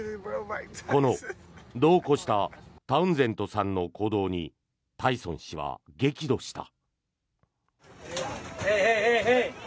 この度を超したタウンゼントさんの行動にタイソン氏は激怒した。